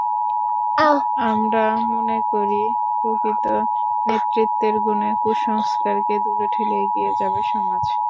আমরা মনে করি, প্রকৃত নেতৃত্বের গুণে কুসংস্কারকে দূরে ঠেলে এগিয়ে যাবে সমাজ।